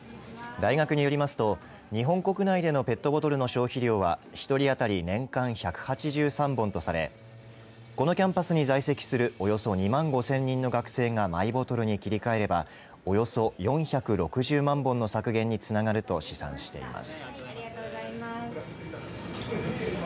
大学によりますと日本国内でのペットボトルの消費量は１人当たり年間１８３本とされこのキャンパスに在籍するおよそ２万５０００人の学生がマイボトルに切り替えればおよそ４６０万本の削減につながると試算しています。